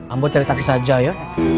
ambon cari taksi saja ya